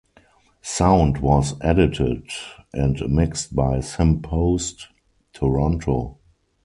Sound was edited and mixed by Sim Post Toronto.